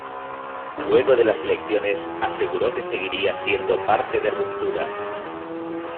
Luego de las elecciones aseguró que seguirá siendo parte de Ruptura.